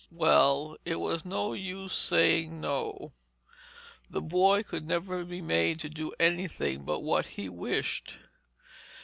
Well, it was no use saying 'no.' The boy could never be made to do anything but what he wished.